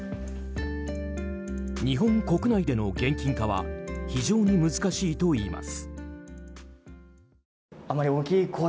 日本国内での現金化は非常に難しいといいます。